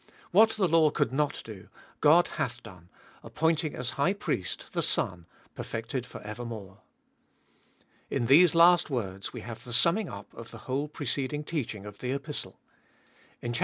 What the law could not do, God hath done, appointing as High Priest, the Son, perfected for evermore. In these last words we have the summing up of the whole preceding teaching of the Epistle. In chap.